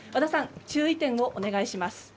注意点をお願いします。